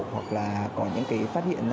hoặc là có những phát hiện